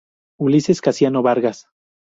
Ulises Casiano Vargas.